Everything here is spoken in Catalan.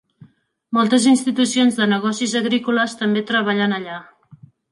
Moltes institucions de negocis agrícoles també treballen allà.